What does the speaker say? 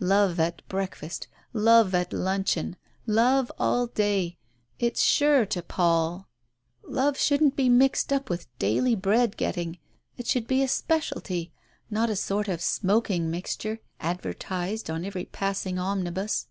Love at breakfast, love at luncheon, love all day ; it's sure to pall. Love shouldn't Digitized by Googk 62 TALES OF THE UNEASY be mixed up with daily bread getting. It should be a speciality, not a sort of smoking mixture, advertised on every passing omnibus."